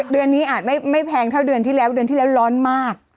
เดือนนี้อาจไม่แพงเท่าเดือนที่แล้วเดือนที่แล้วร้อนมาก